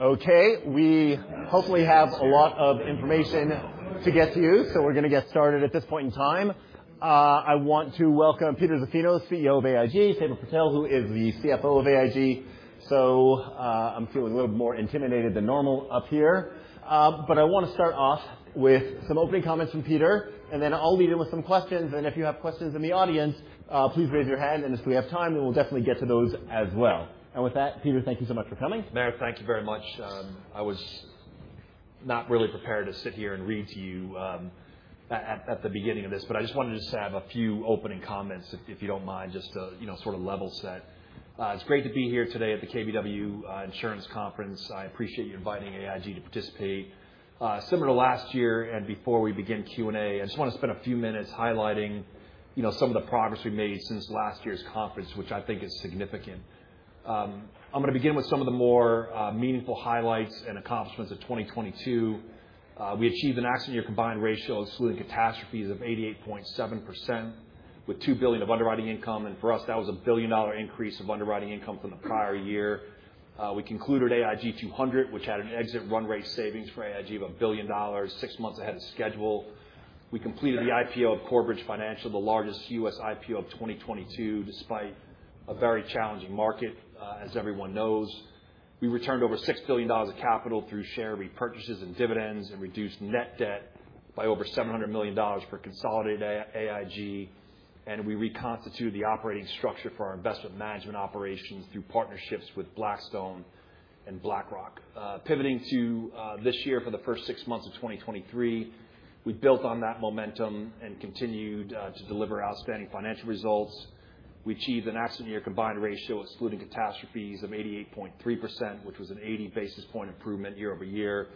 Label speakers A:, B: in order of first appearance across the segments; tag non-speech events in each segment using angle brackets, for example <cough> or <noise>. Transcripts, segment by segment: A: Okay, we hopefully have a lot of information to get to you, so we're going to get started at this point in time. I want to welcome Peter Zaffino, CEO of AIG, Sabra Purtill, who is the CFO of AIG. So, I'm feeling a little more intimidated than normal up here. But I want to start off with some opening comments from Peter, and then I'll lead in with some questions, and if you have questions in the audience, please raise your hand, and if we have time, we will definitely get to those as well. And with that, Peter, thank you so much for coming.
B: Meyer, thank you very much. I was not really prepared to sit here and read to you at the beginning of this, but I just wanted to just have a few opening comments, if you don't mind, just to, you know, sort of level set. It's great to be here today at the KBW Insurance Conference. I appreciate you inviting AIG to participate. Similar to last year, and before we begin Q&A, I just want to spend a few minutes highlighting, you know, some of the progress we've made since last year's conference, which I think is significant. I'm going to begin with some of the more meaningful highlights and accomplishments of 2022. We achieved an accident year combined ratio, excluding catastrophes, of 88.7%, with $2 billion of underwriting income, and for us, that was a $1 billion increase of underwriting income from the prior year. We concluded AIG 200, which had an exit run rate savings for AIG of $1 billion, six months ahead of schedule. We completed the IPO of Corebridge Financial, the largest U.S. IPO of 2022, despite a very challenging market, as everyone knows. We returned over $6 billion of capital through share repurchases and dividends, and reduced net debt by over $700 million for consolidated AIG, and we reconstituted the operating structure for our investment management operations through partnerships with Blackstone and BlackRock. Pivoting to this year for the first six months of 2023, we built on that momentum and continued to deliver outstanding financial results. We achieved an accident year combined ratio, excluding catastrophes, of 88.3%, which was an 80 basis point improvement year-over-year,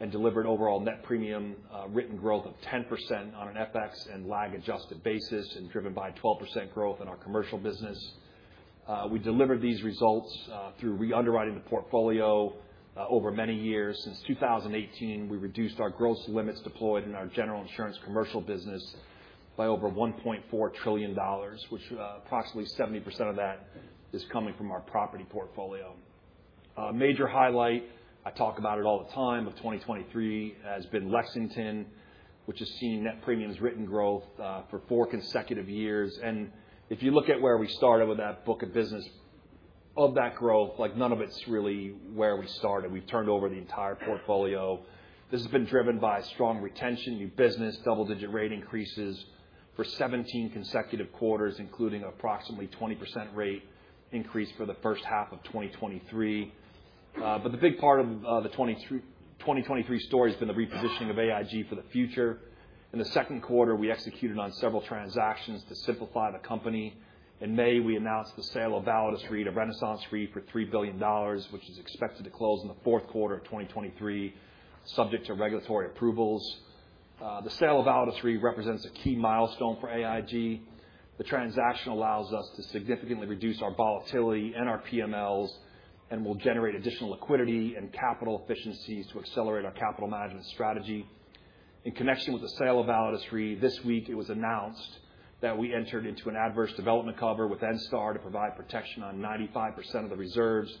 B: and delivered overall net premium written growth of 10% on an FX and lag-adjusted basis, and driven by 12% growth in our commercial business. We delivered these results through re-underwriting the portfolio over many years. Since 2018, we reduced our gross limits deployed in our General Insurance commercial business by over $1.4 trillion, which approximately 70% of that is coming from our property portfolio. A major highlight, I talk about it all the time, of 2023 has been Lexington, which has seen net premiums written growth for four consecutive years. And if you look at where we started with that book of business, of that growth, like, none of it's really where we started. We've turned over the entire portfolio. This has been driven by strong retention, new business, double-digit rate increases for 17 consecutive quarters, including approximately 20% rate increase for the first half of 2023. But the big part of the 2023 story has been the repositioning of AIG for the future. In the second quarter, we executed on several transactions to simplify the company. In May, we announced the sale of Validus Re to RenaissanceRe for $3 billion, which is expected to close in the fourth quarter of 2023, subject to regulatory approvals. The sale of Validus Re represents a key milestone for AIG. The transaction allows us to significantly reduce our volatility and our PMLs, and will generate additional liquidity and capital efficiencies to accelerate our capital management strategy. In connection with the sale of Validus Re, this week, it was announced that we entered into an adverse development cover with Enstar to provide protection on 95% of the reserves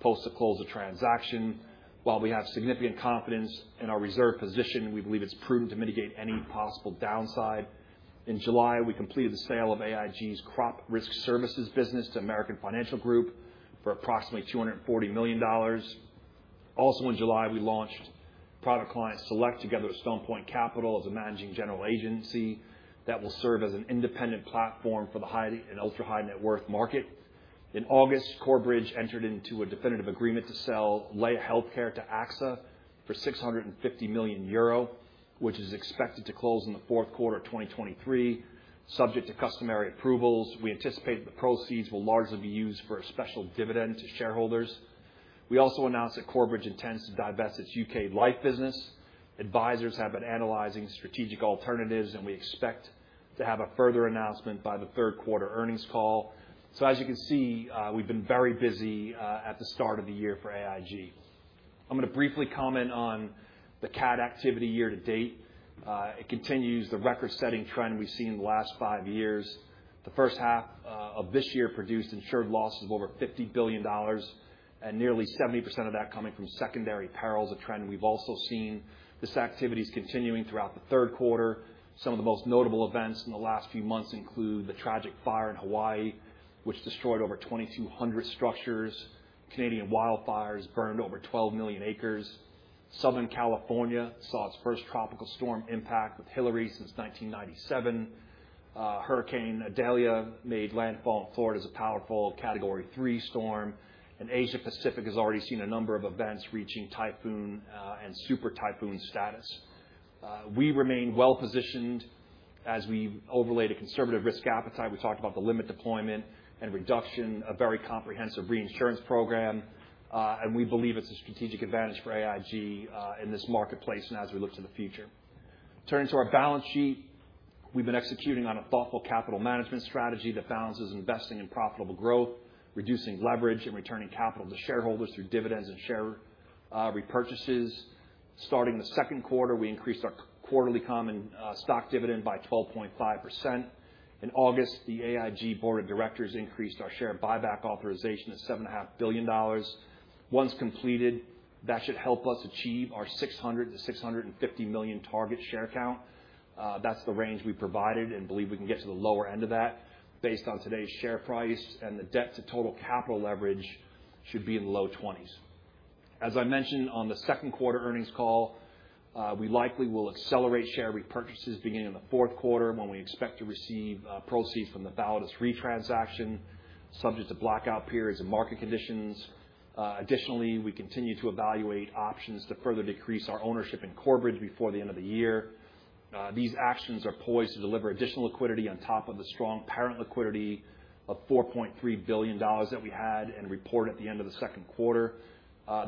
B: post the close of transaction. While we have significant confidence in our reserve position, we believe it's prudent to mitigate any possible downside. In July, we completed the sale of AIG's Crop Risk Services business to American Financial Group for approximately $240 million. Also, in July, we launched Private Client Select together with Stone Point Capital as a managing general agency that will serve as an independent platform for the highly and ultra-high-net-worth market. In August, Corebridge entered into a definitive agreement to sell Laya Healthcare to AXA for 650 million euro, which is expected to close in the fourth quarter of 2023, subject to customary approvals. We anticipate the proceeds will largely be used for a special dividend to shareholders. We also announced that Corebridge intends to divest its UK Life business. Advisors have been analyzing strategic alternatives, and we expect to have a further announcement by the third quarter earnings call. So as you can see, we've been very busy at the start of the year for AIG. I'm going to briefly comment on the cat activity year to date. It continues the record-setting trend we've seen in the last five years. The first half of this year produced insured losses of over $50 billion, and nearly 70% of that coming from secondary perils, a trend we've also seen. This activity is continuing throughout the third quarter. Some of the most notable events in the last few months include the tragic fire in Hawaii, which destroyed over 2,200 structures. Canadian wildfires burned over 12 million acres. Southern California saw its first tropical storm impact with Hilary since 1997. Hurricane Idalia made landfall in Florida as a powerful Category 3 storm, and Asia Pacific has already seen a number of events reaching typhoon and super typhoon status. We remain well-positioned as we overlay the conservative risk appetite. We talked about the limit deployment and reduction, a very comprehensive reinsurance program, and we believe it's a strategic advantage for AIG in this marketplace and as we look to the future. Turning to our balance sheet, we've been executing on a thoughtful capital management strategy that balances investing in profitable growth, reducing leverage, and returning capital to shareholders through dividends and share repurchases. Starting the second quarter, we increased our quarterly common stock dividend by 12.5%. In August, the AIG Board of Directors increased our share buyback authorization to $7.5 billion. Once completed, that should help us achieve our 600 million-650 million target share count. That's the range we provided, and believe we can get to the lower end of that based on today's share price, and the debt to total capital leverage should be in the low twenties. As I mentioned on the second quarter earnings call, we likely will accelerate share repurchases beginning in the fourth quarter, when we expect to receive proceeds from the Validus Re transaction, subject to blackout periods and market conditions. Additionally, we continue to evaluate options to further decrease our ownership in Corebridge before the end of the year. These actions are poised to deliver additional liquidity on top of the strong parent liquidity of $4.3 billion that we had and reported at the end of the second quarter.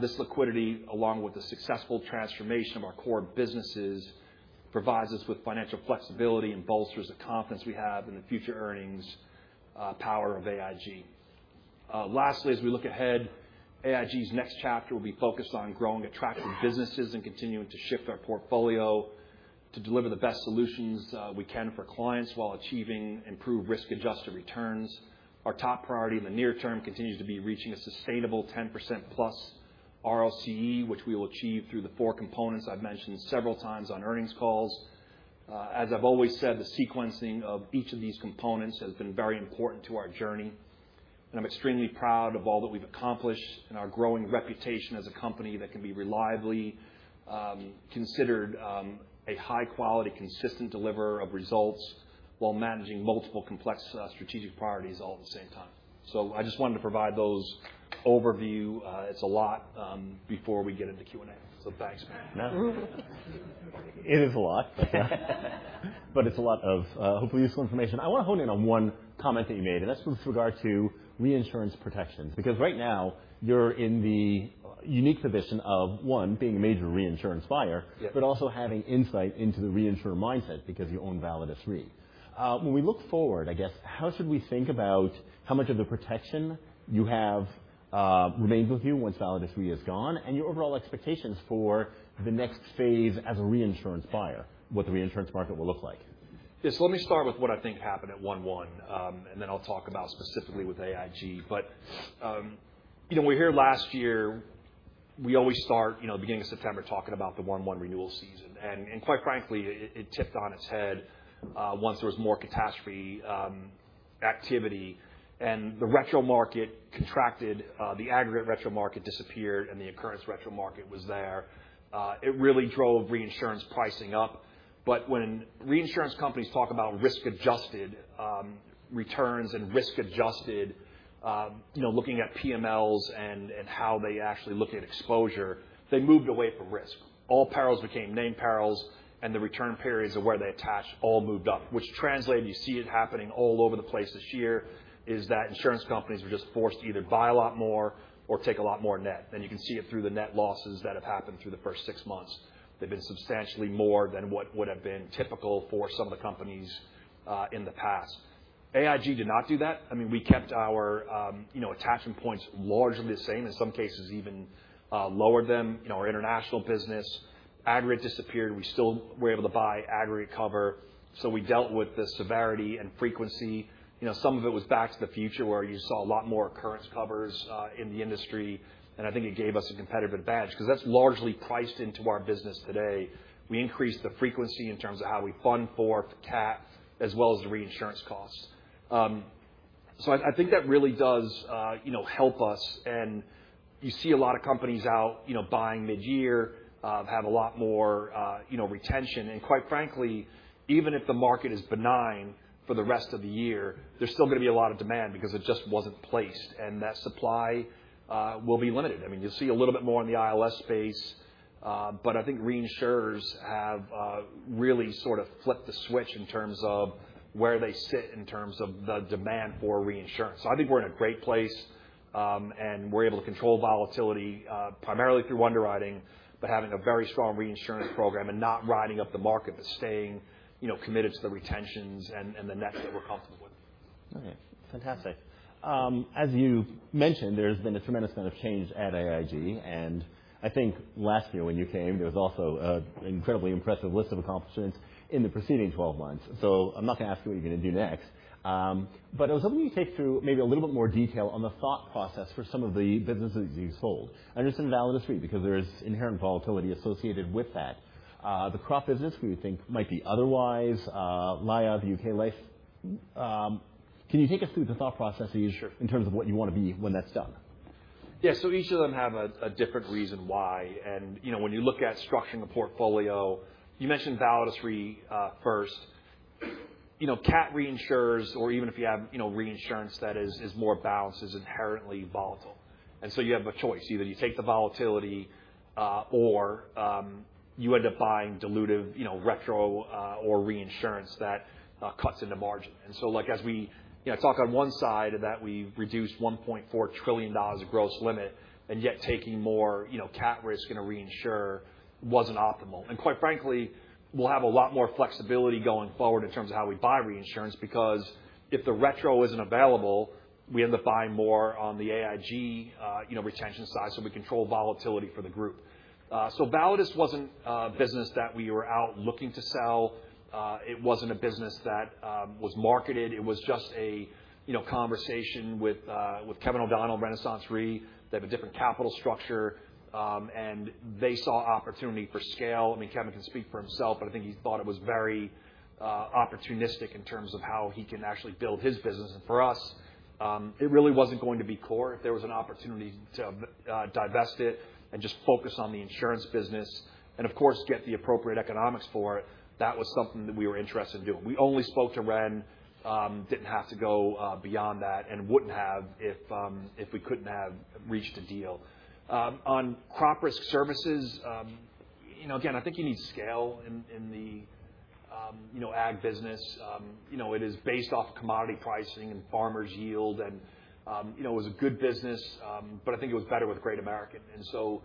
B: This liquidity, along with the successful transformation of our core businesses, provides us with financial flexibility and bolsters the confidence we have in the future earnings power of AIG. Lastly, as we look ahead, AIG's next chapter will be focused on growing attractive businesses and continuing to shift our portfolio to deliver the best solutions we can for clients, while achieving improved risk-adjusted returns. Our top priority in the near term continues to be reaching a sustainable 10%+ ROCE, which we will achieve through the four components I've mentioned several times on earnings calls. As I've always said, the sequencing of each of these components has been very important to our journey, and I'm extremely proud of all that we've accomplished and our growing reputation as a company that can be reliably, considered, a high quality, consistent deliverer of results while managing multiple complex, strategic priorities all at the same time. So I just wanted to provide those overview. It's a lot, before we get into Q&A, so thanks.
A: It is a lot. But it's a lot of, hopefully useful information. I want to hone in on one comment that you made, and that's with regard to reinsurance protections, because right now you're in the unique position of, one, being a major reinsurance buyer-
B: Yeah.
A: but also having insight into the reinsurer mindset because you own Validus Re. When we look forward, I guess, how should we think about how much of the protection you have remains with you once Validus Re is gone, and your overall expectations for the next phase as a reinsurance buyer, what the reinsurance market will look like?
B: Yes, so let me start with what I think happened at 1/1, and then I'll talk about specifically with AIG. But, you know, we heard last year, we always start, you know, beginning of September, talking about the 1/1 renewal season. And quite frankly, it tipped on its head, once there was more catastrophe activity. And the retro market contracted, the aggregate retro market disappeared, and the occurrence retro market was there. It really drove reinsurance pricing up. But when reinsurance companies talk about risk-adjusted returns and risk-adjusted, you know, looking at PMLs and how they actually look at exposure, they moved away from risk. All perils became named perils, and the return periods of where they attached all moved up, which translated, you see it happening all over the place this year, is that insurance companies are just forced to either buy a lot more or take a lot more net. You can see it through the net losses that have happened through the first six months. They've been substantially more than what would have been typical for some of the companies in the past. AIG did not do that. I mean, we kept our, you know, attachment points largely the same, in some cases, even lowered them. In our international business, aggregate disappeared. We still were able to buy aggregate cover, so we dealt with the severity and frequency. You know, some of it was back to the future, where you saw a lot more occurrence covers in the industry, and I think it gave us a competitive edge, because that's largely priced into our business today. We increased the frequency in terms of how we fund for cat as well as the reinsurance costs. So I think that really does, you know, help us, and you see a lot of companies out, you know, buying mid-year, have a lot more, you know, retention. And quite frankly, even if the market is benign for the rest of the year, there's still going to be a lot of demand because it just wasn't placed, and that supply will be limited. I mean, you'll see a little bit more in the ILS space, but I think reinsurers have really sort of flipped the switch in terms of where they sit in terms of the demand for reinsurance. So I think we're in a great place, and we're able to control volatility, primarily through underwriting, but having a very strong reinsurance program and not riding up the market, but staying, you know, committed to the retentions and, and the nets that we're comfortable with.
A: Okay, fantastic. As you mentioned, there's been a tremendous amount of change at AIG, and I think last year when you came, there was also an incredibly impressive list of accomplishments in the preceding 12 months. So I'm not going to ask you what you're going to do next. But I was hoping you'd take us through maybe a little bit more detail on the thought process for some of the businesses you sold, and just in Validus Re, because there is inherent volatility associated with that. The crop business we would think might be otherwise, Life, UK Life. Can you take us through the thought process that you sure... in terms of what you want to be when that's done?
B: Yeah. So each of them have a different reason why. And, you know, when you look at structuring the portfolio, you mentioned Validus Re first. You know, cat reinsurers, or even if you have, you know, reinsurance that is more balanced, is inherently volatile... And so you have a choice. Either you take the volatility, or you end up buying dilutive, you know, retro or reinsurance that cuts into margin. And so, like, as we, you know, talk on one side that we reduced $1.4 trillion of gross limit, and yet taking more, you know, cat risk in a reinsurer wasn't optimal. Quite frankly, we'll have a lot more flexibility going forward in terms of how we buy reinsurance, because if the retro isn't available, we end up buying more on the AIG, you know, retention side, so we control volatility for the group. Validus wasn't a business that we were out looking to sell. It wasn't a business that was marketed. It was just a, you know, conversation with Kevin O'Donnell, RenaissanceRe. They have a different capital structure, and they saw opportunity for scale. I mean, Kevin can speak for himself, but I think he thought it was very opportunistic in terms of how he can actually build his business. For us, it really wasn't going to be core. If there was an opportunity to divest it and just focus on the insurance business and, of course, get the appropriate economics for it, that was something that we were interested in doing. We only spoke to Ren, didn't have to go beyond that, and wouldn't have if we couldn't have reached a deal. On Crop Risk Services, you know, again, I think you need scale in the ag business. You know, it is based off commodity pricing and farmers' yield, and you know, it was a good business, but I think it was better with Great American. And so,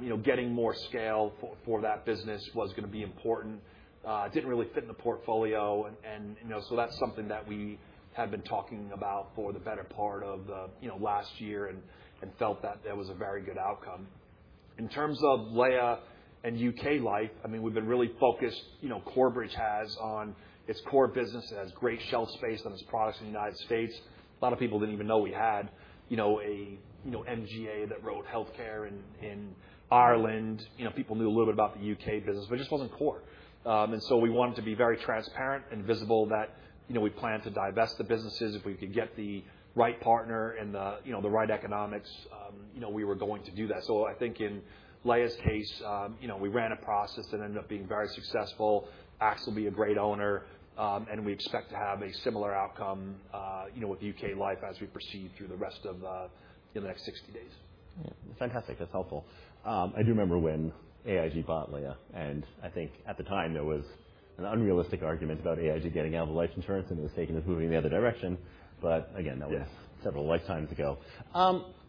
B: you know, getting more scale for that business was going to be important. It didn't really fit in the portfolio, and you know, so that's something that we had been talking about for the better part of you know, last year and felt that that was a very good outcome. In terms of Laya and UK Life, I mean, we've been really focused, you know, Corebridge has, on its core business. It has great shelf space on its products in the United States. A lot of people didn't even know we had, you know, a you know, MGA that wrote healthcare in Ireland. You know, people knew a little bit about the UK business, but it just wasn't core. And so we wanted to be very transparent and visible that, you know, we plan to divest the businesses. If we could get the right partner and the, you know, the right economics, you know, we were going to do that. So I think in Laya's case, you know, we ran a process and ended up being very successful. AXA will be a great owner, and we expect to have a similar outcome, you know, with UK Life as we proceed through the rest of, in the next 60 days.
A: Fantastic. That's helpful. I do remember when AIG bought Laya, and I think at the time there was an unrealistic argument about AIG getting out of the life insurance, and it was taken as moving in the other direction. But again, that was-
B: Yes.
A: -several lifetimes ago.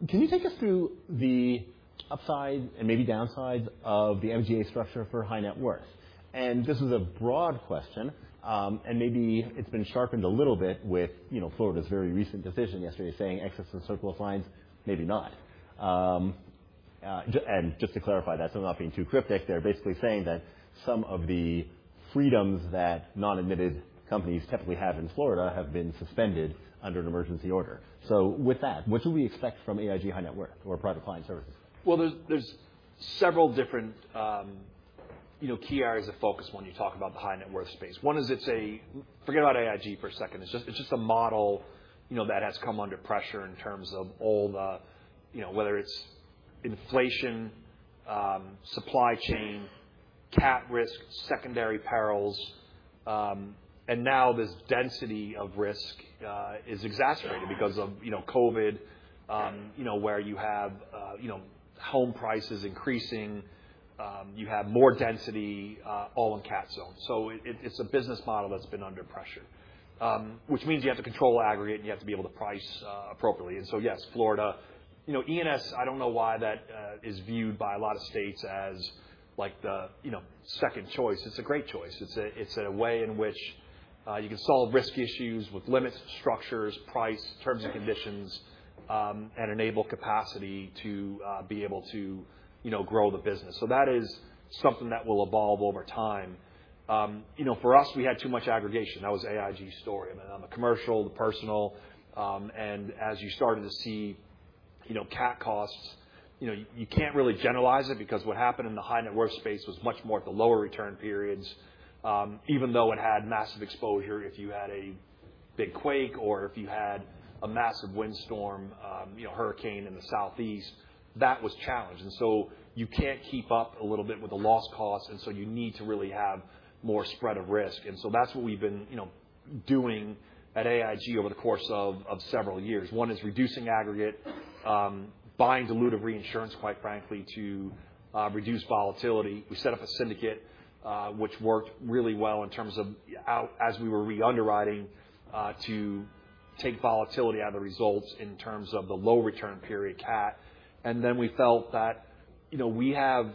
A: Can you take us through the upside and maybe downsides of the MGA structure for high net worth? And this is a broad question, and maybe it's been sharpened a little bit with, you know, Florida's very recent decision yesterday saying, excess and surplus lines, maybe not. And just to clarify that, so I'm not being too cryptic, they're basically saying that some of the freedoms that non-admitted companies typically have in Florida have been suspended under an emergency order. So with that, what should we expect from AIG high net worth or private client services?
B: Well, there's several different, you know, key areas of focus when you talk about the high net worth space. One is it's a... Forget about AIG for a second. It's just, it's just a model, you know, that has come under pressure in terms of all the, you know, whether it's inflation, supply chain, cat risk, secondary perils, and now this density of risk, is exacerbated because of, you know, COVID, you know, where you have, you know, home prices increasing, you have more density, all in cat zones. So it, it's a business model that's been under pressure, which means you have to control aggregate, and you have to be able to price, appropriately. And so, yes, Florida. You know, E&S, I don't know why that is viewed by a lot of states as like the, you know, second choice. It's a great choice. It's a, it's a way in which you can solve risk issues with limits, structures, price, terms and conditions, and enable capacity to be able to, you know, grow the business. So that is something that will evolve over time. You know, for us, we had too much aggregation. That was AIG's story. I mean, on the commercial, the personal, and as you started to see, you know, cat costs, you know, you can't really generalize it because what happened in the high net worth space was much more at the lower return periods. Even though it had massive exposure, if you had a big quake or if you had a massive windstorm, you know, hurricane in the southeast, that was challenged. And so you can't keep up a little bit with the loss costs, and so you need to really have more spread of risk. And so that's what we've been, you know, doing at AIG over the course of several years. One is reducing aggregate, buying dilutive reinsurance, quite frankly, to reduce volatility. We set up a syndicate, which worked really well in terms of out, as we were re-underwriting, to take volatility out of the results in terms of the low return period cat. And then we felt that, you know, we have...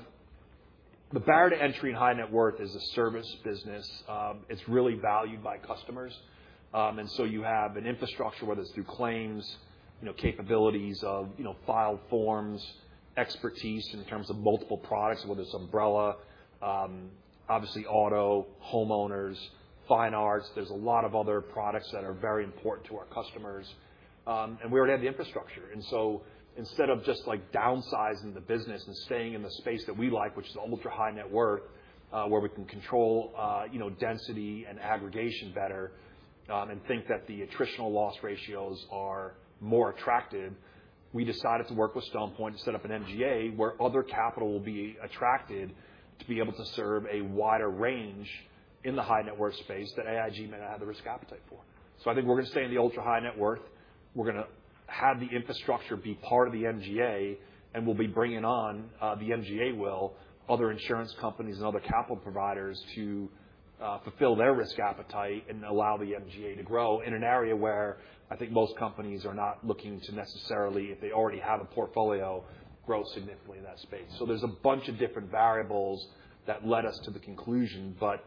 B: The barrier to entry in high net worth is a service business. It's really valued by customers. and so you have an infrastructure, whether it's through claims, you know, capabilities of, you know, file forms, expertise in terms of multiple products, whether it's umbrella, obviously auto, homeowners, fine arts. There's a lot of other products that are very important to our customers. and we already had the infrastructure. And so instead of just, like, downsizing the business and staying in the space that we like, which is ultrahigh net worth, where we can control, you know, density and aggregation better, and think that the attritional loss ratios are more attractive, we decided to work with Stone Point to set up an MGA, where other capital will be attracted to be able to serve a wider range in the high net worth space that AIG may not have the risk appetite for. So I think we're going to stay in the ultrahigh net worth. We're going to have the infrastructure be part of the MGA, and we'll be bringing on, the MGA will, other insurance companies and other capital providers to, fulfill their risk appetite and allow the MGA to grow in an area where I think most companies are not looking to necessarily, if they already have a portfolio, grow significantly in that space. So there's a bunch of different variables that led us to the conclusion, but,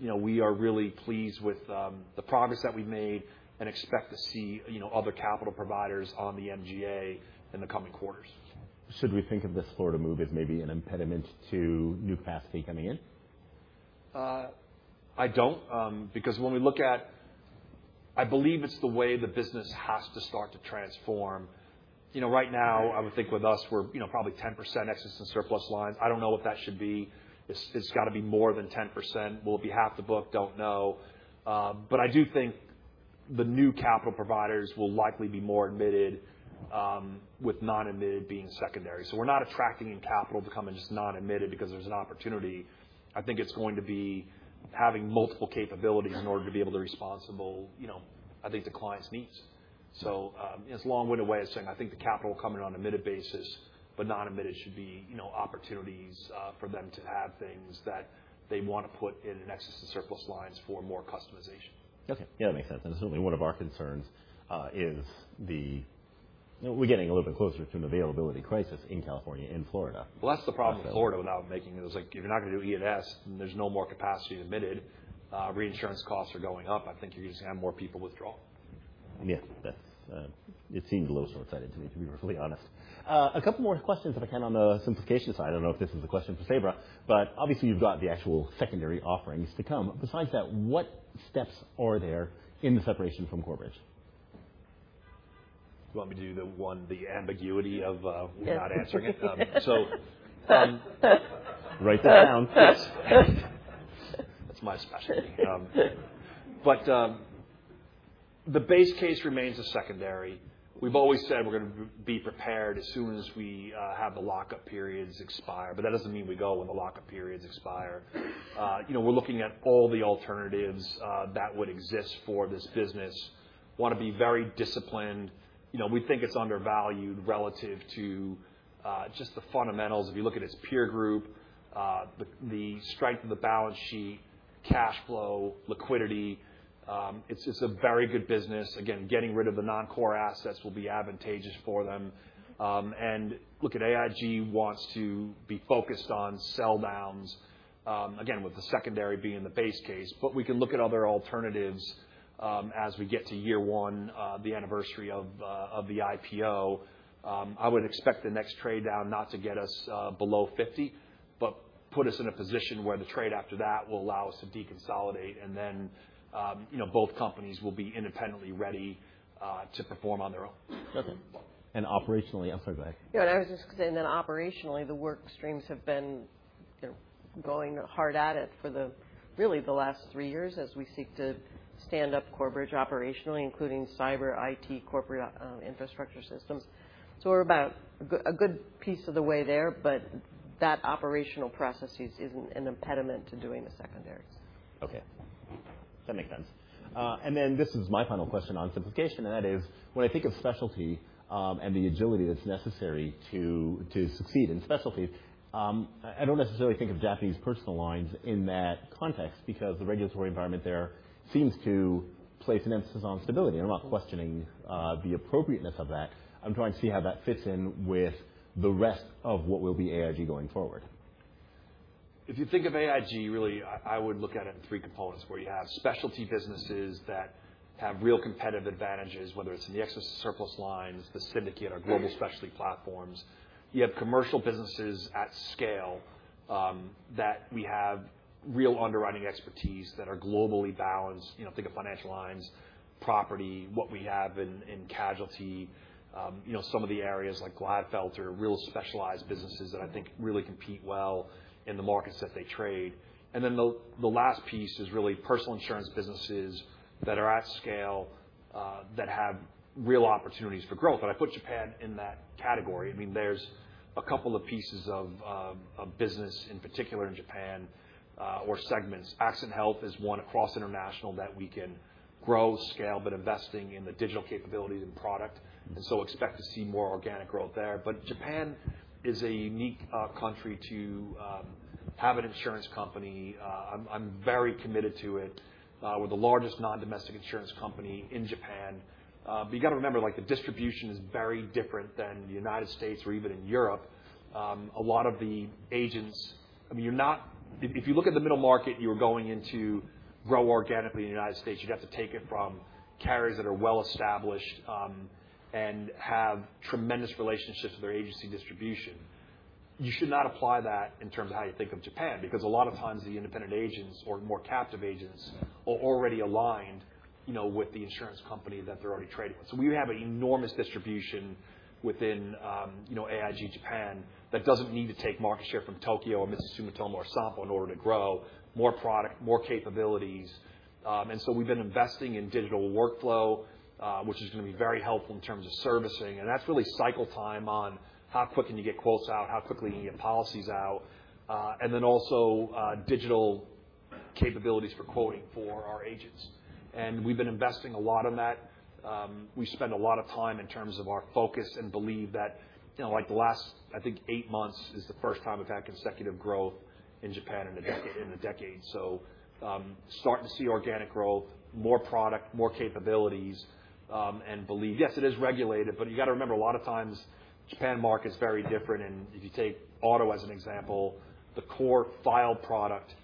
B: you know, we are really pleased with, the progress that we've made and expect to see, you know, other capital providers on the MGA in the coming quarters.
A: Should we think of this Florida move as maybe an impediment to new capacity coming in?
B: I don't, because when we look at, I believe it's the way the business has to start to transform. You know, right now, I would think with us, we're, you know, probably 10% excess and surplus lines. I don't know what that should be. It's gotta be more than 10%. Will it be half the book? Don't know. But I do think the new capital providers will likely be more admitted, with non-admitted being secondary. So we're not attracting in capital to come in just non-admitted because there's an opportunity. I think it's going to be having multiple capabilities in order to be able to responsible, you know, I think, the clients' needs. It's a long-winded way of saying I think the capital coming in on an admitted basis, but non-admitted should be, you know, opportunities for them to add things that they want to put in excess and surplus lines for more customization.
A: Okay. Yeah, that makes sense. Certainly, one of our concerns is. We're getting a little bit closer to an availability crisis in California and Florida.
B: Well, that's the problem with Florida, without making it, is like, if you're not going to do E&S, and there's no more capacity admitted, reinsurance costs are going up. I think you're just going to have more people withdraw.
A: Yeah, that's... It seems [short-sighted] to me, to be perfectly honest. A couple more questions if I can on the simplification side. I don't know if this is a question for Sabra, but obviously, you've got the actual secondary offerings to come. Besides that, what steps are there in the separation from Corebridge?
B: You want me to do the one, the ambiguity of, not answering it? So,
A: Write that down, please.
B: That's my specialty. But, the base case remains a secondary. We've always said we're going to be prepared as soon as we have the lockup periods expire, but that doesn't mean we go when the lockup periods expire. You know, we're looking at all the alternatives that would exist for this business. Want to be very disciplined. You know, we think it's undervalued relative to just the fundamentals. If you look at its peer group, the strength of the balance sheet, cash flow, liquidity, it's just a very good business. Again, getting rid of the non-core assets will be advantageous for them. And look at AIG wants to be focused on sell downs, again, with the secondary being the base case. But we can look at other alternatives, as we get to year one, the anniversary of the IPO. I would expect the next trade down not to get us below 50, but put us in a position where the trade after that will allow us to deconsolidate, and then, you know, both companies will be independently ready to perform on their own.
A: Okay. Operationally... I'm sorry, go ahead.
C: Yeah, and I was just going to say, and then operationally, the work streams have been, you know, going hard at it for really the last three years as we seek to stand up Corebridge operationally, including cyber, IT, corporate, infrastructure systems. So we're about a good piece of the way there, but that operational processes isn't an impediment to doing the secondaries.
A: Okay, that makes sense. And then this is my final question on simplification, and that is, when I think of specialty, and the agility that's necessary to succeed in specialty, I don't necessarily think of Japanese personal lines in that context, because the regulatory environment there seems to place an emphasis on stability. I'm not questioning the appropriateness of that. I'm trying to see how that fits in with the rest of what will be AIG going forward.
B: If you think of AIG, really, I would look at it in three components, where you have specialty businesses that have real competitive advantages, whether it's in the excess surplus lines, the syndicate or global specialty platforms. You have commercial businesses at scale, that we have real underwriting expertise that are globally balanced. You know, think of financial lines, property, what we have in casualty, you know, some of the areas like Glatfelter, real specialized businesses that I think really compete well in the markets that they trade. And then the last piece is really personal insurance businesses that are at scale, that have real opportunities for growth. And I put Japan in that category. I mean, there's a couple of pieces of business, in particular in Japan, or segments. Accident health is one across international that we can grow, scale, but investing in the digital capabilities and product, and so expect to see more organic growth there. But Japan is a unique country to have an insurance company. I'm very committed to it. We're the largest non-domestic insurance company in Japan. But you've got to remember, like, the distribution is very different than the United States or even in Europe. A lot of the agents, I mean, if you look at the middle market, you are going in to grow organically in the United States, you'd have to take it from carriers that are well-established, and have tremendous relationships with their agency distribution. You should not apply that in terms of how you think of Japan, because a lot of times, the independent agents or more captive agents are already aligned, you know, with the insurance company that they're already trading with. So we have an enormous distribution within, you know, AIG Japan that doesn't need to take market share from Tokio or Mitsui Sumitomo or Sompo in order to grow more product, more capabilities. And so we've been investing in digital workflow, which is going to be very helpful in terms of servicing, and that's really cycle time on how quick can you get quotes out, how quickly can you get policies out, and then also, digital capabilities for quoting for our agents. And we've been investing a lot on that. We spend a lot of time in terms of our focus and believe that, you know, like the last, I think, eight months is the first time we've had consecutive growth in Japan in a decade. So, starting to see organic growth, more product, more capabilities, and believe, yes, it is regulated, but you got to remember, a lot of times, Japan market is very different. And if you take auto as an example, the core file product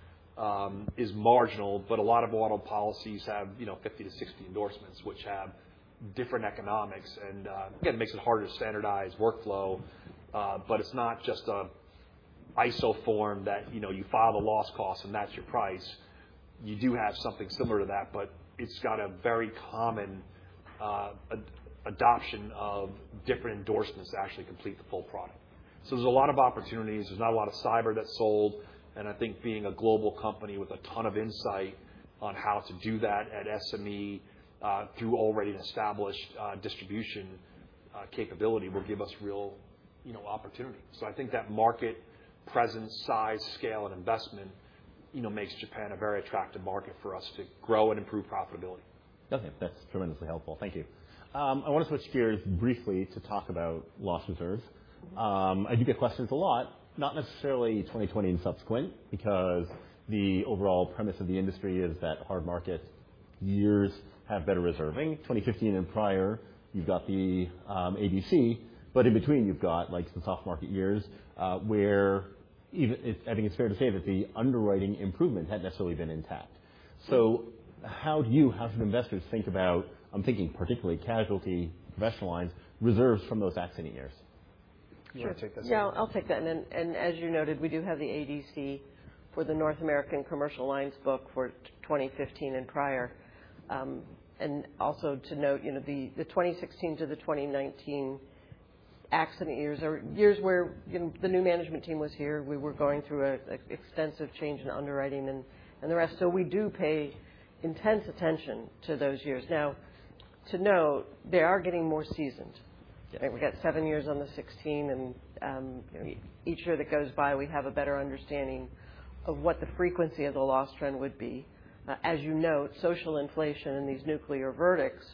B: is marginal, but a lot of auto policies have, you know, 50-60 endorsements, which have different economics. And, again, it makes it harder to standardize workflow. But it's not just an ISO form that, you know, you file the loss cost, and that's your price. You do have something similar to that, but it's got a very common adoption of different endorsements to actually complete the full product. So there's a lot of opportunities. There's not a lot of cyber that's sold, and I think being a global company with a ton of insight on how to do that at SME through already an established distribution capability will give us real, you know, opportunity. So I think that market presence, size, scale, and investment, you know, makes Japan a very attractive market for us to grow and improve profitability.
A: Okay. That's tremendously helpful. Thank you. I want to switch gears briefly to talk about loss reserves. I do get questions a lot, not necessarily 2020 and subsequent, because the overall premise of the industry is that hard market years have better reserving. 2015 and prior, you've got the ADC, but in between, you've got, like, some soft market years, where even... I think it's fair to say that the underwriting improvement hadn't necessarily been intact. So how do you, how should investors think about, I'm thinking particularly casualty professional lines, reserves from those accident years?
B: You want to take that?
C: Sure. Yeah, I'll take that. And as you noted, we do have the ADC for the North American commercial lines book for 2015 and prior. And also to note, you know, the 2016 to the 2019 accident years are years where, you know, the new management team was here. We were going through an extensive change in underwriting and the rest. So we do pay intense attention to those years. Now, to note, they are getting more seasoned. I think we've got 7 years on the 2016, and each year that goes by, we have a better understanding of what the frequency of the loss trend would be. As you note, social inflation and these nuclear verdicts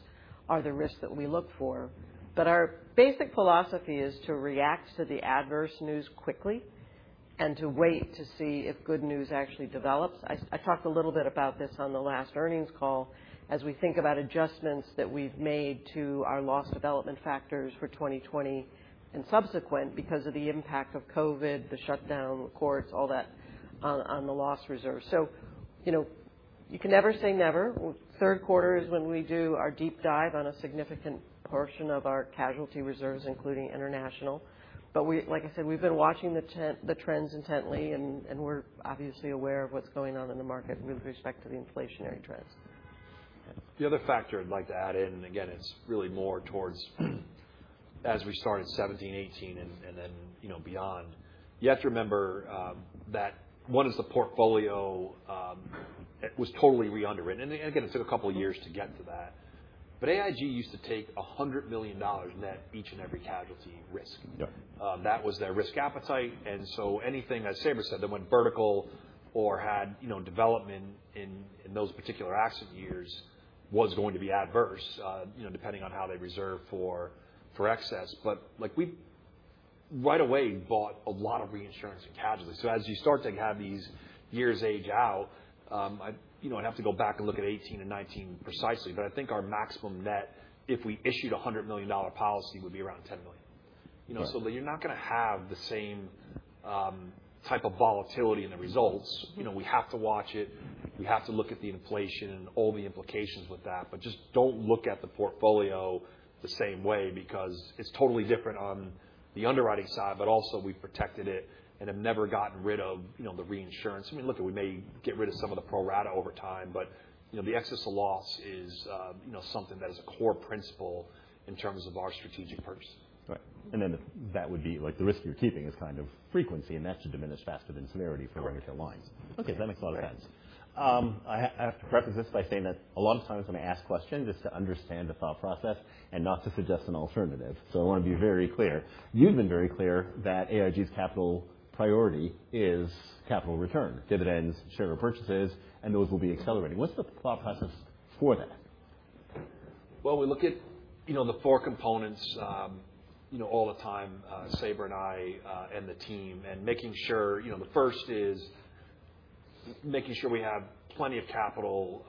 C: are the risks that we look for. But our basic philosophy is to react to the adverse news quickly and to wait to see if good news actually develops. I, I talked a little bit about this on the last earnings call, as we think about adjustments that we've made to our loss development factors for 2020 and subsequent because of the impact of COVID, the shutdown, the courts, all that on, on the loss reserve. So, you know, you can never say never. Third quarter is when we do our deep dive on a significant portion of our casualty reserves, including international. But we, like I said, we've been watching the ten- the trends intently, and, and we're obviously aware of what's going on in the market with respect to the inflationary trends.
B: The other factor I'd like to add in, and again, it's really more towards as we started 17, 18 and then, you know, beyond. You have to remember that one is the portfolio, it was totally re-underwritten. And again, it took a couple of years to get to that. But AIG used to take $100 million net each and every casualty risk.
A: Yep.
B: That was their risk appetite. And so anything, as Sabra said, that went vertical or had, you know, development in, in those particular accident years was going to be adverse, you know, depending on how they reserved for, for excess. But like, we right away, bought a lot of reinsurance in casualty. So as you start to have these years age out, I, you know, I'd have to go back and look at 2018 and 2019 precisely, but I think our maximum net, if we issued a $100 million policy, would be around $10 million.
A: Yeah.
B: You know, so you're not going to have the same type of volatility in the results. You know, we have to watch it. We have to look at the inflation and all the implications with that, but just don't look at the portfolio the same way, because it's totally different on the underwriting side, but also, we've protected it and have never gotten rid of, you know, the reinsurance. I mean, look, we may get rid of some of the pro rata over time, but, you know, the excess of loss is, you know, something that is a core principle in terms of our strategic purpose.
A: Right. And then that would be like the risk you're keeping is kind of frequency, and that should diminish faster than severity for lines.
B: Correct.
A: Okay, that makes a lot of sense. I have to preface this by saying that a lot of times when I ask questions, it's to understand the thought process and not to suggest an alternative.
B: Mm-hmm.
A: I want to be very clear.
B: Mm-hmm.
A: You've been very clear that AIG's capital priority is capital return, dividends, share repurchases, and those will be accelerating. What's the thought process for that?
B: Well, we look at, you know, the four components, you know, all the time, Sabra and I, and the team, and making sure, you know, the first is making sure we have plenty of capital,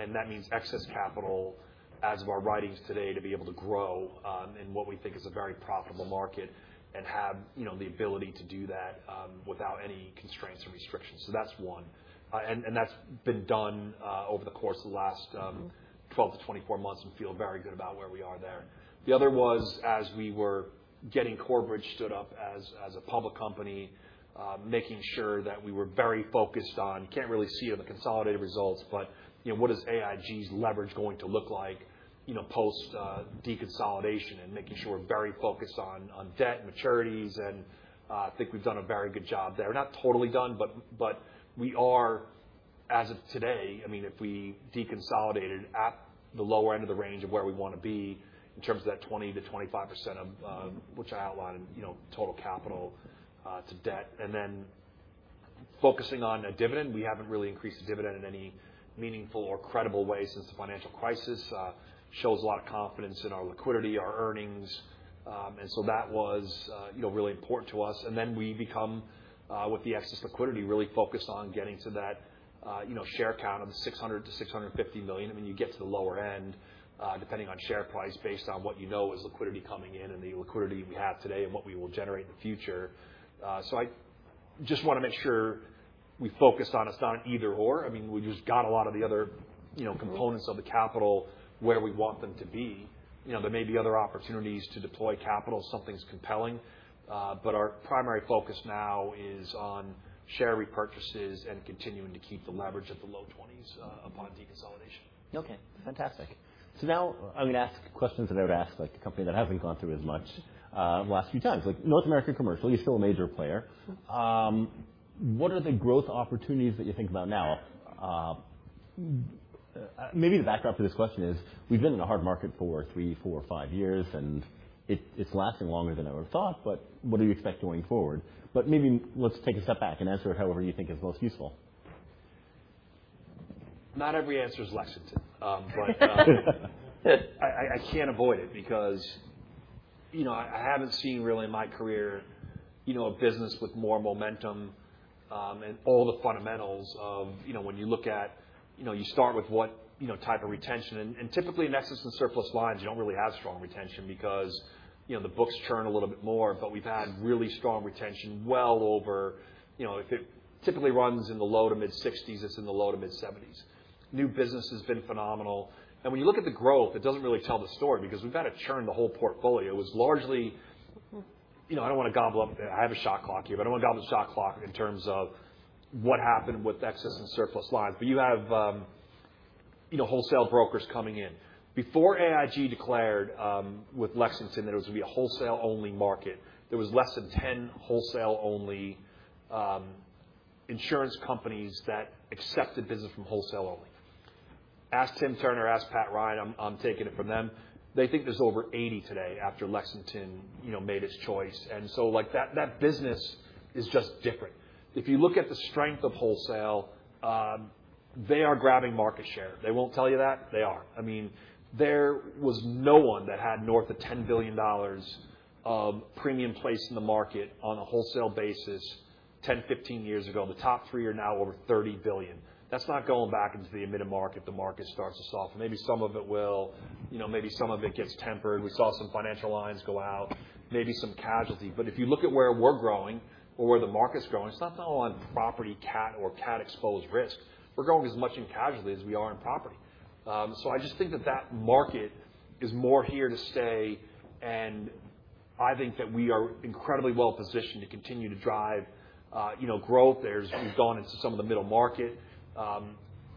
B: and that means excess capital as of our writings today, to be able to grow, in what we think is a very profitable market and have, you know, the ability to do that, without any constraints or restrictions. So that's one. And that's been done, over the course of the last,
C: Mm-hmm...
B: 12-24 months and feel very good about where we are there. The other was, as we were getting Corebridge stood up as, as a public company, making sure that we were very focused on, you can't really see it on the consolidated results, but, you know, what is AIG's leverage going to look like, you know, post, deconsolidation, and making sure we're very focused on, on debt, maturities, and, I think we've done a very good job there. We're not totally done, but, but we are, as of today, I mean, if we deconsolidated at the lower end of the range of where we want to be in terms of that 20%-25% of, which I outlined, you know, total capital, to debt, and then-... Focusing on a dividend, we haven't really increased the dividend in any meaningful or credible way since the financial crisis. Shows a lot of confidence in our liquidity, our earnings. And so that was, you know, really important to us. And then we become, with the excess liquidity, really focused on getting to that, you know, share count of 600 million-650 million. I mean, you get to the lower end, depending on share price, based on what you know is liquidity coming in and the liquidity we have today and what we will generate in the future. So I just want to make sure we focus on, it's not an either/or. I mean, we just got a lot of the other, you know, components of the capital where we want them to be. You know, there may be other opportunities to deploy capital if something's compelling, but our primary focus now is on share repurchases and continuing to keep the leverage at the low twenties, upon deconsolidation.
A: Okay, fantastic. So now I'm going to ask questions that I would ask, like, a company that hasn't gone through as much, the last few times. Like, North American Commercial, you're still a major player. What are the growth opportunities that you think about now? Maybe the backdrop to this question is we've been in a hard market for three, four, five years, and it, it's lasting longer than I ever thought, but what do you expect going forward? But maybe let's take a step back and answer it however you think is most useful.
B: Not every answer is Lexington. But I can't avoid it because, you know, I haven't seen really in my career, you know, a business with more momentum, and all the fundamentals of, you know, when you look at, you know, you start with what, you know, type of retention. Typically in excess and surplus lines, you don't really have strong retention because, you know, the books churn a little bit more. But we've had really strong retention well over. You know, if it typically runs in the low- to mid-60s, it's in the low- to mid-70s. New business has been phenomenal, and when you look at the growth, it doesn't really tell the story because we've got to churn the whole portfolio. It was largely, you know, I don't want to gobble up. I have a shot clock here, but I don't want to gobble the shot clock in terms of what happened with excess and surplus lines. But you have, you know, wholesale brokers coming in. Before AIG declared, with Lexington that it was going to be a wholesale-only market, there was less than 10 wholesale-only insurance companies that accepted business from wholesale only. Ask Tim Turner, ask Pat Ryan. I'm taking it from them. They think there's over 80 today after Lexington, you know, made its choice, and so, like, that business is just different. If you look at the strength of wholesale, they are grabbing market share. They won't tell you that. They are. I mean, there was no one that had north of $10 billion of premium placed in the market on a wholesale basis 10, 15 years ago. The top three are now over $30 billion. That's not going back into the admitted market if the market starts to soften. Maybe some of it will. You know, maybe some of it gets tempered. We saw some Financial Lines go out, maybe some casualty. But if you look at where we're growing or where the market's growing, it's not all on property cat or cat-exposed risk. We're growing as much in casualty as we are in property. So I just think that that market is more here to stay, and I think that we are incredibly well positioned to continue to drive, you know, growth there as we've gone into some of the middle market.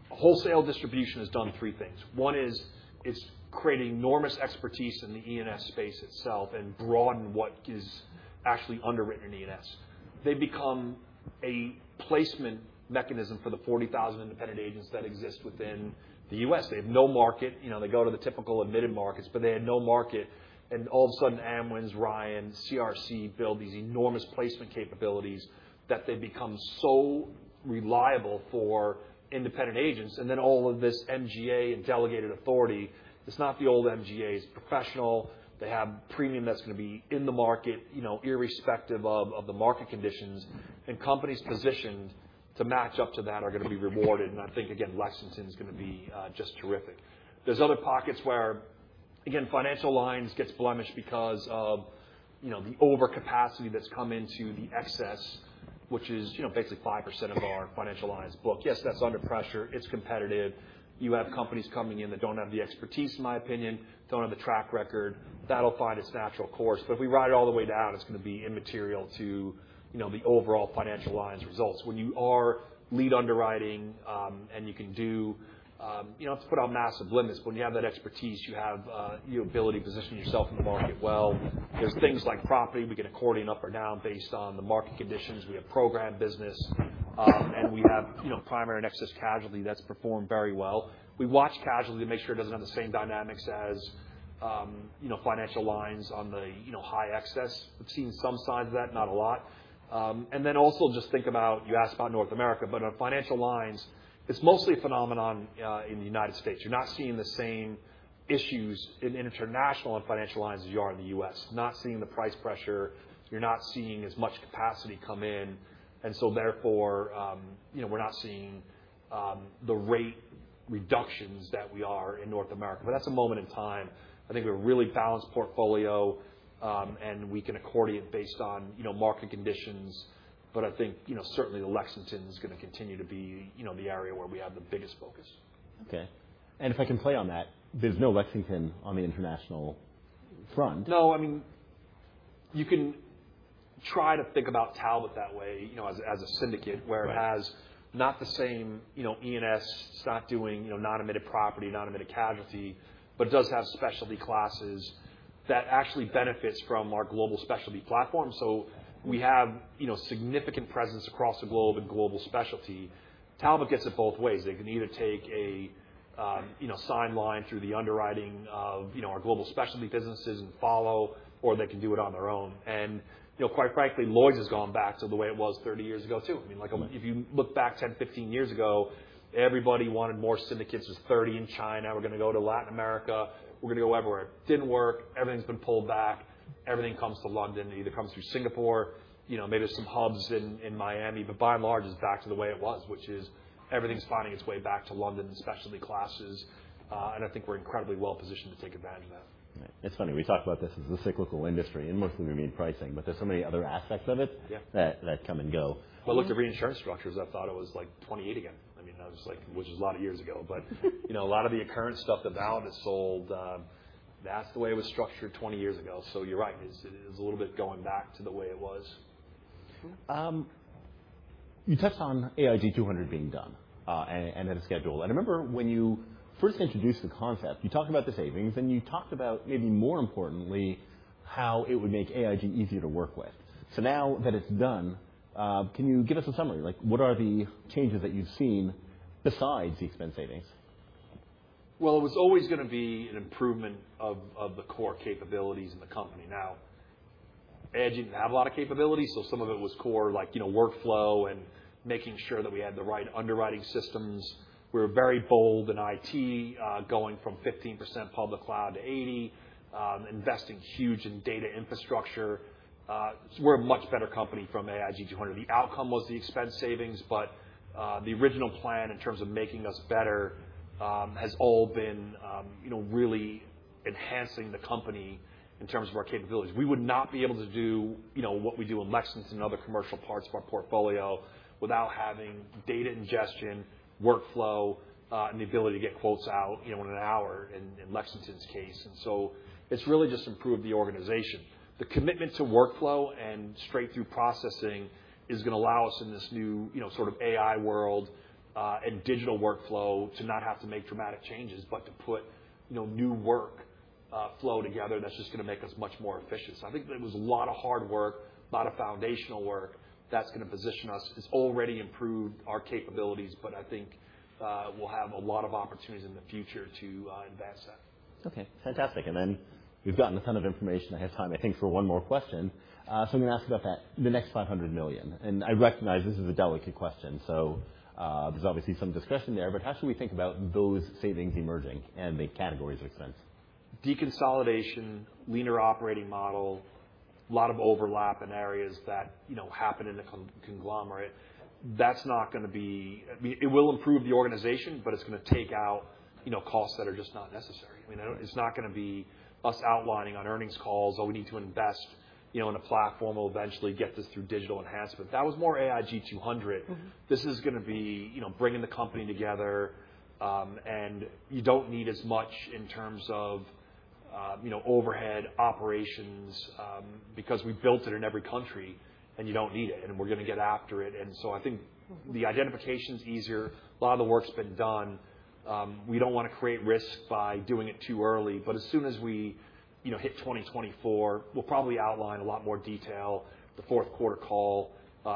B: Wholesale distribution has done three things. One is it's created enormous expertise in the E&S space itself and broadened what is actually underwritten in E&S. They become a placement mechanism for the 40,000 <audio distortion> agents that exist within the U.S. They have no market. You know, they go to the typical admitted markets, but they had no market, and all of a sudden, Amwins, Ryan, CRC, build these enormous placement capabilities that they become so reliable for independent agents. And then all of this MGA and delegated authority, it's not the old MGAs. It's professional. They have premium that's going to be in the market, you know, irrespective of, of the market conditions, and companies positioned to match up to that are going to be rewarded. And I think, again, Lexington is going to be, just terrific. There's other pockets where, again, financial lines gets blemished because of, you know, the overcapacity that's come into the excess, which is, you know, basically 5% of our financial lines book. Yes, that's under pressure. It's competitive. You have companies coming in that don't have the expertise, in my opinion, don't have the track record. That'll find its natural course, but if we ride it all the way down, it's going to be immaterial to, you know, the overall Financial Lines results. When you are lead underwriting, and you can do, you know, have to put on massive limits. When you have that expertise, you have, the ability to position yourself in the market well. There's things like property. We can accordion up or down based on the market conditions. We have program business, and we have, you know, primary and excess casualty that's performed very well. We watch casualty to make sure it doesn't have the same dynamics as, you know, Financial Lines on the, you know, high excess. We've seen some signs of that, not a lot. And then also just think about, you asked about North America, but on Financial Lines, it's mostly a phenomenon in the United States. You're not seeing the same issues in international and Financial Lines as you are in the U.S. Not seeing the price pressure. You're not seeing as much capacity come in, and so therefore, you know, we're not seeing the rate reductions that we are in North America. But that's a moment in time. I think we're a really balanced portfolio, and we can accordion based on, you know, market conditions. But I think, you know, certainly the Lexington is going to continue to be, you know, the area where we have the biggest focus.
A: Okay. If I can play on that, there's no Lexington on the international front.
B: No, I mean, you can try to think about Talbot that way, you know, as, as a syndicate, where it has not the same, you know, E&S. It's not doing, you know, non-admitted property, non-admitted casualty, but does have specialty classes that actually benefits from our global specialty platform. So we have, you know, significant presence across the globe and global specialty. Talbot gets it both ways. They can either take a, you know, sideline through the underwriting of, you know, our global specialty businesses and follow, or they can do it on their own. And, you know, quite frankly, Lloyd's has gone back to the way it was 30 years ago, too. I mean, like, if you look back 10, 15 years ago, everybody wanted more syndicates. There's 30 in China. We're going to go to Latin America. We're going to go everywhere. It didn't work. Everything's been pulled back. Everything comes to London. It either comes through Singapore, you know, maybe there's some hubs in Miami, but by and large, it's back to the way it was, which is everything's finding its way back to London, the specialty classes, and I think we're incredibly well positioned to take advantage of that.
A: It's funny, we talk about this as a cyclical industry, and mostly we mean pricing, but there's so many other aspects of it-
B: Yeah.
A: that, that come and go.
B: I looked at reinsurance structures. I thought it was like 28 again. I mean, I was like, which is a lot of years ago. But, you know, a lot of the occurrence stuff that Talbot has sold, that's the way it was structured 20 years ago. So you're right, it is a little bit going back to the way it was.
A: You touched on AIG 200 being done, and that it's scheduled. I remember when you first introduced the concept, you talked about the savings, and you talked about, maybe more importantly, how it would make AIG easier to work with. So now that it's done, can you give us a summary? Like, what are the changes that you've seen besides the expense savings?
B: Well, it was always going to be an improvement of the core capabilities in the company. Now, AIG didn't have a lot of capabilities, so some of it was core, like, you know, workflow and making sure that we had the right underwriting systems. We were very bold in IT, going from 15% public cloud to 80%, investing huge in data infrastructure. We're a much better company from AIG 200. The outcome was the expense savings, but the original plan in terms of making us better has all been, you know, really enhancing the company in terms of our capabilities. We would not be able to do, you know, what we do in Lexington and other commercial parts of our portfolio without having data ingestion, workflow, and the ability to get quotes out, you know, in an hour, in Lexington's case. So it's really just improved the organization. The commitment to workflow and straight-through processing is going to allow us in this new, you know, sort of AI world, and digital workflow, to not have to make dramatic changes, but to put, you know, new workflow together. That's just going to make us much more efficient. So I think there was a lot of hard work, a lot of foundational work that's going to position us. It's already improved our capabilities, but I think, we'll have a lot of opportunities in the future to invest that.
A: Okay, fantastic. And then we've gotten a ton of information ahead of time. I think for one more question. So I'm going to ask about that, the next $500 million, and I recognize this is a delicate question, so, there's obviously some discussion there. But how should we think about those savings emerging and the categories they spend?
B: Deconsolidation, leaner operating model, a lot of overlap in areas that, you know, happen in the conglomerate. That's not going to be... I mean, it will improve the organization, but it's going to take out, you know, costs that are just not necessary. You know, it's not going to be us outlining on earnings calls, "Oh, we need to invest, you know, in a platform that will eventually get this through digital enhancement." That was more AIG 200.
A: Mm-hmm.
B: This is going to be, you know, bringing the company together, and you don't need as much in terms of, you know, overhead operations, because we built it in every country and you don't need it, and we're going to get after it. And so I think the identification's easier. A lot of the work's been done. We don't want to create risk by doing it too early, but as soon as we, you know, hit 2024, we'll probably outline a lot more detail, the fourth quarter call,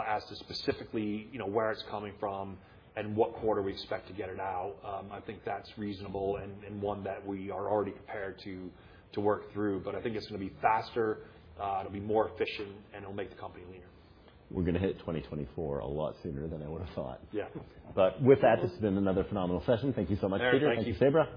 B: as to specifically, you know, where it's coming from and what quarter we expect to get it out. I think that's reasonable and one that we are already prepared to work through, but I think it's going to be faster, it'll be more efficient, and it'll make the company leaner.
A: We're going to hit 2024 a lot sooner than I would have thought.
B: Yeah.
A: But with that, this has been another phenomenal session. Thank you so much, Peter.
B: All right. Thank you.
A: Thank you, Sabra.